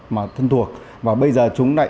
mà thân thuộc và bây giờ chúng đã